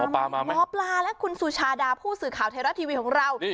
หมอปลาและคุณสุชาดาผู้สื่อข่าวเทราทีวีของเรา